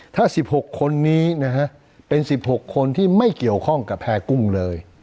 ถ้า๑๖คนนี้นะฮะเป็น๑๖คนที่ไม่เกี่ยวข้องกับแพร่กุ้งเลย